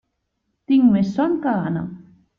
Tinc més son que gana.